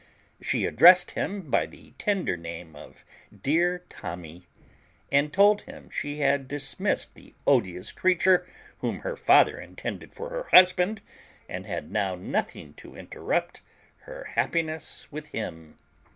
She addressed him by the tender name of dear Tommy, and told him she had dismissed the odious creature whom her father intended for her husband, and had now nothing to interrupt her happiness with him.